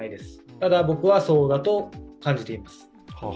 ただ僕は、そうだと感じています。